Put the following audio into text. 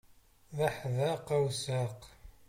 D aḥdaq awsaq.